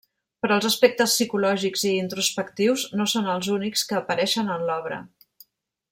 Però els aspectes psicològics i introspectius no són els únics que apareixen en l'obra.